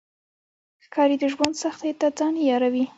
ښکاري د ژوند سختیو ته ځان عیاروي.